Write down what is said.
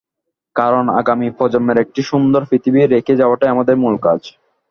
কারণ আগামী প্রজন্মের জন্য একটি সুন্দর পৃথিবী রেখে যাওয়াটাই আমাদের মূল কাজ।